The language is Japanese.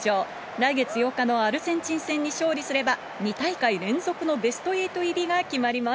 来月８日のアルゼンチン戦に勝利すれば、２大会連続のベスト８入りが決まります。